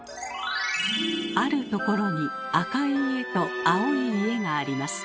あるところに赤い家と青い家があります。